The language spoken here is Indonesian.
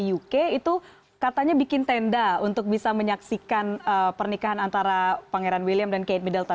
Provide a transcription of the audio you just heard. uk itu katanya bikin tenda untuk bisa menyaksikan pernikahan antara pangeran william dan kate middleton